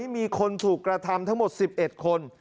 มีคนถูกกระทำทั้งหมด๑๑คน